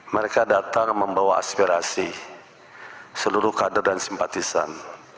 mereka datang membawa aspirasi seluruh kader dan simpatisan